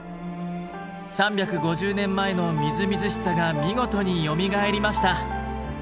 ３５０年前のみずみずしさが見事によみがえりました。